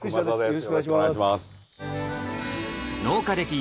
よろしくお願いします。